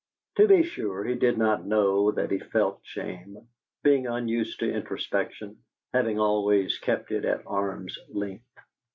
To be sure, he did not know that he felt shame, being unused to introspection, having always kept it at arm's length.